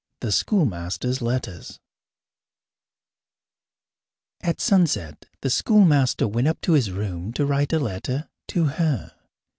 The Schoolmaster's Letters At sunset the schoolmaster went up to his room to write a letter to her.